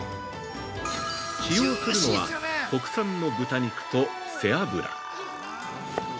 使用するのは、国産の豚肉と背脂。